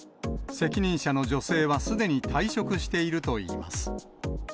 責任者の女性はすでに退職しているといいます。